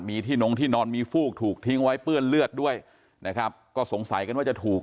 มีที่นงที่นอนมีฟูกถูกทิ้งไว้เปื้อนเลือดด้วยนะครับก็สงสัยกันว่าจะถูก